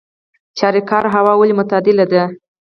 چاریکار هوا ولې معتدله ده؟